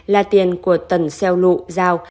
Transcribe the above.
là tiền của tần xeo lụ giao